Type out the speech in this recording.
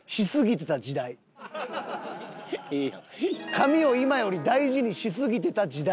髪を今より大事にしすぎてた時代。